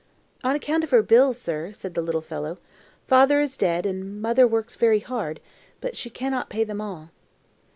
"On account of her bills, sir," said the little fellow. "Father is dead, and mother works very hard, but she cannot pay them all."